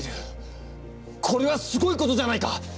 これはすごいことじゃないか！